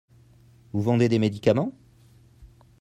Vous vendez des médicaments ?